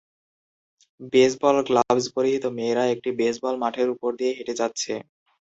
baseball gloves পরিহিত মেয়েরা একটি বেসবল মাঠের উপর দিয়ে হেঁটে যাচ্ছে